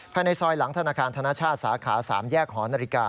ภายในซอยหลังธนาคารธนชาติสาขา๓แยกหอนาฬิกา